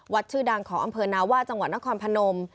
ชื่อดังของอำเภอนาว่าจังหวัดนครพนม